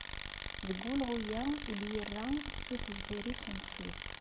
Deg wulɣu-a, i d-yerra deg usebter-is unṣib.